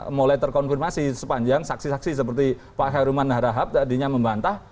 sudah mulai terkonfirmasi sepanjang saksi saksi seperti pak heruman harahap tadinya membantah